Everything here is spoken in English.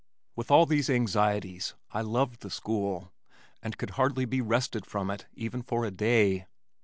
With all these anxieties I loved the school and could hardly be wrested from it even for a day.